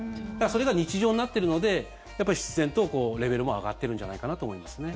それが日常になっているので必然とレベルも上がってるんじゃないかなと思いますね。